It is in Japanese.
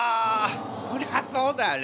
そりゃそうだよ。